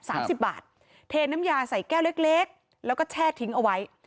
สามสิบบาทเทน้ำยาใส่แก้วเล็กเล็กแล้วก็แช่ทิ้งเอาไว้